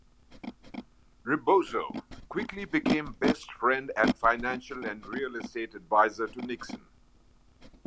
Rebozo quickly became best friend and financial and real estate advisor to Nixon.